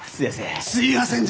すいやせん。